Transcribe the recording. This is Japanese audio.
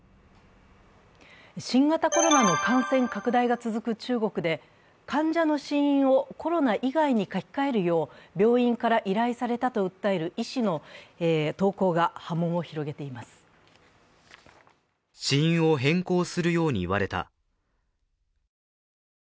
新型コロナの感染拡大が続く中国で患者の死因をコロナ以外に書き換えるよう病院から依頼されたと訴える医師の投稿が波紋を広げています。